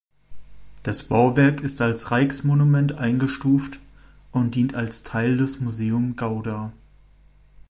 Das Bauwerk ist als Rijksmonument eingestuft und dient als Teil des "Museum Gouda".